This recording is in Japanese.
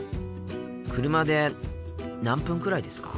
車で何分くらいですか？